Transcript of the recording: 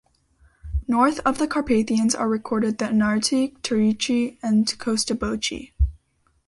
North of the Carpathians are recorded the Anarti, Teurisci and Costoboci.